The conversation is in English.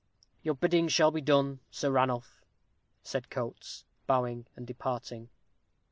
"Your bidding shall be done, Sir Ranulph," said Coates, bowing and departing.